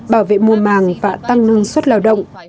bảo vệ mùa màng và tăng năng suất lao động